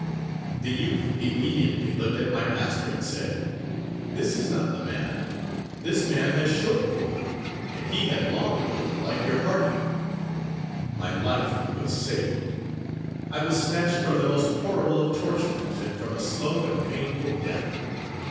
The youth immediately looked at my master, and said, "This is not the man this man has short wool, and he had long wool, like your Hardy." My life was saved. I was snatched from the most horrible of tortures, and from a slow and painful death.